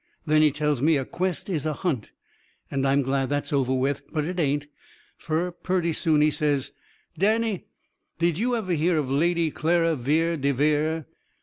Then he tells me a quest is a hunt. And I'm glad that's over with. But it ain't. Fur purty soon he says: "Danny, did you ever hear of Lady Clara Vere de Vere?"